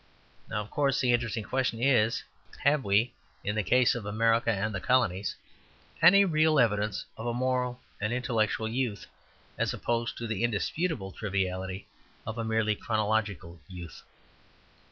Now, of course, the interesting question is, have we, in the case of America and the colonies, any real evidence of a moral and intellectual youth as opposed to the indisputable triviality of a merely chronological youth?